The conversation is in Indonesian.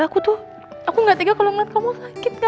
aku tuh aku gak tiga kalau ngeliat kamu sakit gak